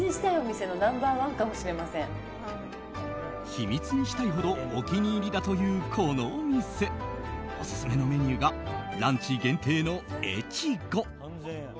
秘密にしたいほどお気に入りだというこのお店オススメのメニューがランチ限定の越後。